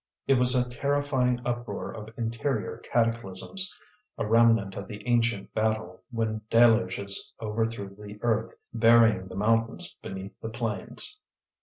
It was a terrifying uproar of interior cataclysms, a remnant of the ancient battle when deluges overthrew the earth, burying the mountains beneath the plains.